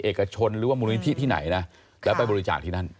เอกชนหรือว่ามูลนิธิที่ไหนนะแล้วไปบริจาคที่นั่น